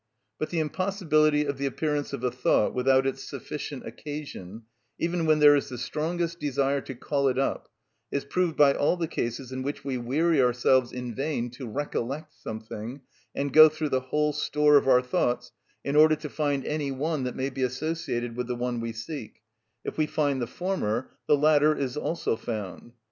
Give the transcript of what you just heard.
But the impossibility of the appearance of a thought without its sufficient occasion, even when there is the strongest desire to call it up, is proved by all the cases in which we weary ourselves in vain to recollect something, and go through the whole store of our thoughts in order to find any one that may be associated with the one we seek; if we find the former, the latter is also found.